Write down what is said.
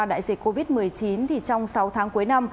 đại dịch covid một mươi chín trong sáu tháng cuối năm